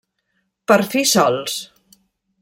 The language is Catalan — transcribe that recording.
Per fi sols!